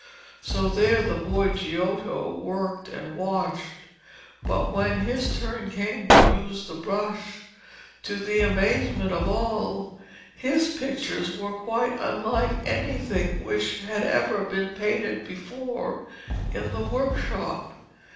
So there the boy Giotto worked and watched, but when his turn came to use the brush, to the amazement of all, his pictures were quite unlike anything which had ever been painted before in the workshop.